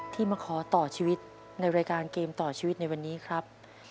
ที่มาขอต่อชีวิตในรายการเกมต่อชีวิตในวันนี้ครับ